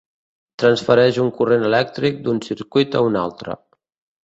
Transfereix un corrent elèctric d'un circuit a un altre.